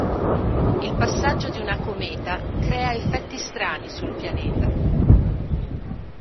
Il passaggio di una cometa crea effetti strani sul pianeta.